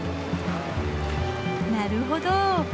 なるほど。